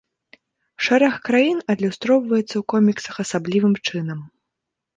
Шэраг краін адлюстроўваецца ў коміксах асаблівым чынам.